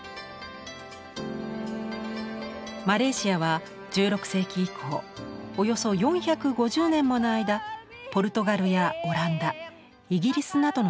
マレーシアは１６世紀以降およそ４５０年もの間ポルトガルやオランダイギリスなどの植民地でした。